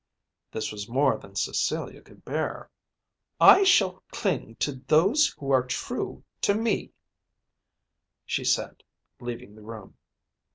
This was more than Cecilia could bear. "I shall cling to those who are true to me," she said, leaving the room.